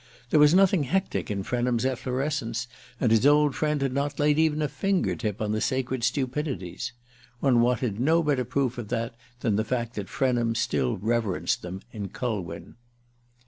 There was nothing hectic in Frenham's efflorescence, and his old friend had not laid even a finger tip on the sacred stupidities. One wanted no better proof of that than the fact that Frenham still reverenced them in Culwin.